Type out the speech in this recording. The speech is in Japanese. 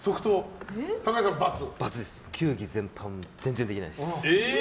球技全般、全然できないです。